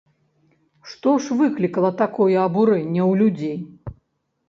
Што ж выклікала такое абурэнне ў людзей?